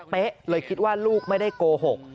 เลยคิดว่าลูกไม่ได้โกหก